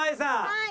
はい。